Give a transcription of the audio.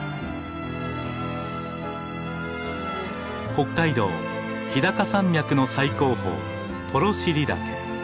北海道日高山脈の最高峰幌尻岳。